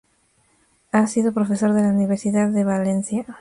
Ha sido profesor de la Universidad de Valencia.